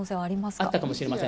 あったかもしれません。